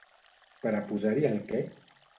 Per a posar-hi el què?